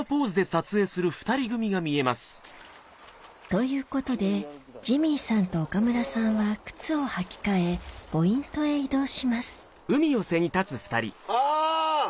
ということでジミーさんと岡村さんは靴を履き替えポイントへ移動しますあぁ！